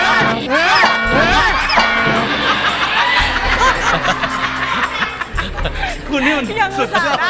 คุณก็ได้เลย